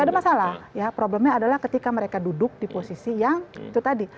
tidak ada masalah ya problemnya adalah ketika mereka duduk di posisi yang itu tadi